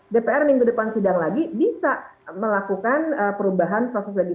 dpr minggu depan sidang lagi bisa melakukan perubahan proses legistik